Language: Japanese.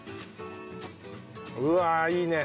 うわあいいね。